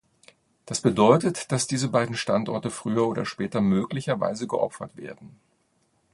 Das bedeutet, dass diese beiden Standorte früher oder später möglicherweise geopfert werden.